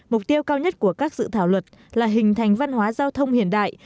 mục tiêu cao nhất của các dự thảo luật là hình thành văn hóa giao thông hiện đại